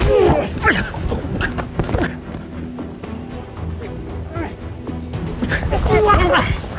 đi thôi anh ơi